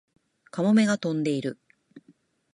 カモメが飛んでいる